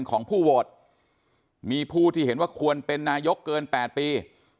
ของผู้โหวตมีผู้ที่เห็นว่าควรเป็นนายกเกิน๘ปี